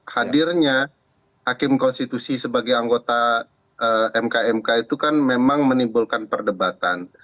hadirnya hakim konstitusi sebagai anggota mk mk itu kan memang menimbulkan perdebatan